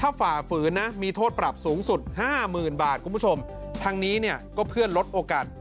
ถ้าฝ่าฝืนมีโทษปรับสูงสุด๕๐๐๐๐บาททั้งนี้ก็เพื่อนลดโอกาส